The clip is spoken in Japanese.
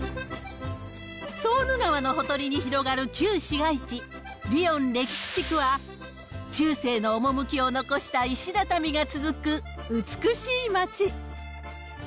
ソーヌ川のほとりに広がる旧市街地、リヨン歴史地区は、中世の趣を残した石畳が続く美しい街。